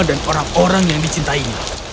dan para orang yang dicintainya